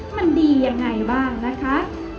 มันดียังไงบ้างนะคะ